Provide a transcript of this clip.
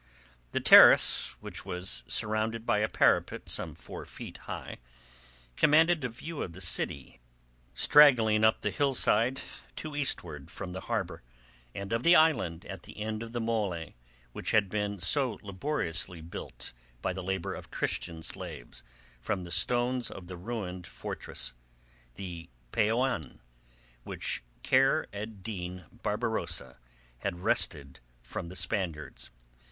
This terrace, which was surrounded by a parapet some four feet high, commanded a view of the city straggling up the hillside to eastward, from the harbour and of the island at the end of the mole which had been so laboriously built by the labour of Christian slaves from the stones of the ruined fortress—the Peñon, which Kheyr ed Din Barbarossa had wrested from the Spaniards.